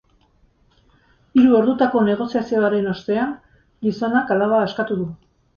Hiru ordutako negoziazioaren ostean, gizonak alaba askatu du.